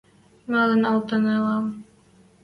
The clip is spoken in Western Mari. Малын алталенӓм..